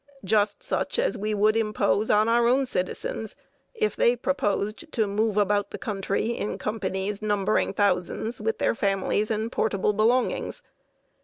Just such as we would impose on our own citizens if they proposed to move about the country in companies numbering thousands, with their families and portable belongings.